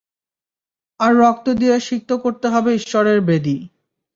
তার রক্ত দিয়ে সিক্ত করতে হবে ঈশ্বরের বেদী!